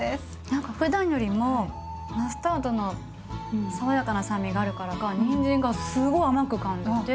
何かふだんよりもマスタードの爽やかな酸味があるからかにんじんがすごい甘く感じて。